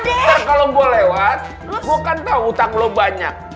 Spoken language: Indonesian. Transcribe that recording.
ntar kalau gue lewat gue kan tahu utang lo banyak